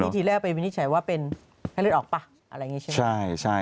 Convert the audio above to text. ทีแรกเป็นวินิจฉัยว่าเป็นไฮเล็ตออกปะ